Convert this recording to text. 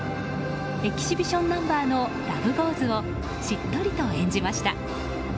エキシビションナンバーの「ＬｏｖｅＧｏｅｓ」をしっとりと演じました。